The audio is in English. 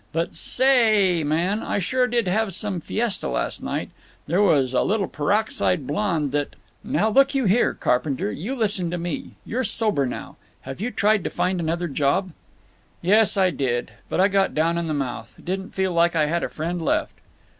But sa a a ay, man, I sure did have some fiesta last night. There was a little peroxide blonde that—" "Now you look here, Carpenter; you listen to me. You're sober now. Have you tried to find another job?" "Yes, I did. But I got down in the mouth. Didn't feel like I had a friend left."